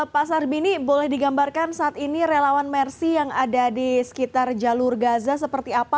pak sarbini boleh digambarkan saat ini relawan mersi yang ada di sekitar jalur gaza seperti apa